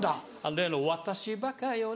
例の「私バカよね」